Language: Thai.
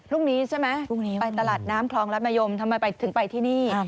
รุ่นนี้ใช่ไหมไปตลาดน้ำคลองรัฐมนิยมทำไมถึงไปที่นี่